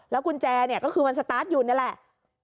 แล้วกุญแจก็คือมันสตาร์ทอยู่นั่นแหละ